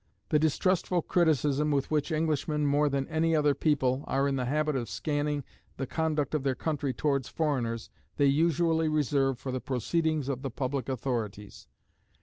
The distrustful criticism with which Englishmen, more than any other people, are in the habit of scanning the conduct of their country towards foreigners, they usually reserve for the proceedings of the public authorities.